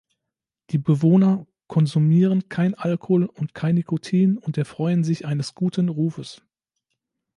Die Bewohner konsumieren kein Alkohol und kein Nikotin und erfreuen sich eines guten Rufes.